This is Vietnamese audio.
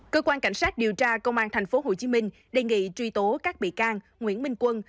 cơ quan cảnh sát điều tra công an tp hồ chí minh đề nghị truy tố các bị can nguyễn minh quân